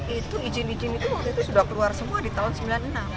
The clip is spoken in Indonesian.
itu izin izin itu waktu itu sudah keluar semua di tahun sembilan puluh enam